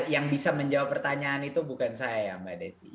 yang bisa menjawab pertanyaan itu bukan saya ya mbak desi